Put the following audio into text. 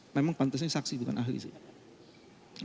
memang pantasnya saksi bukan ahli sih